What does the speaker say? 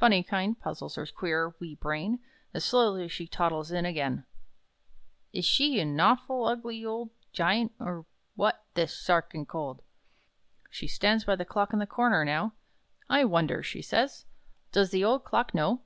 Phunny kind puzzles her queer, wee brain As slowly she toddles in again: "Is she a nawful, ugly, old Giant or what this 'Sa archinkold?'" She stands by the clock in the corner, now: "I wonder," she says, "does the old clock know?"